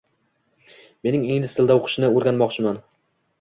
Men ingliz tilida o'qishni o'rganmoqchiman.